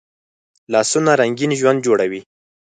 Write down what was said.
لاسونه رنګین ژوند جوړوي